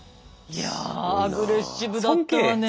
いやアグレッシブだったわね。